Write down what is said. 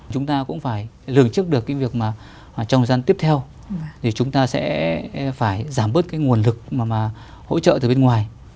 chúng ta cũng phải lường trước được cái việc mà trong thời gian tiếp theo thì chúng ta sẽ phải giảm bớt cái nguồn lực mà hỗ trợ từ bên ngoài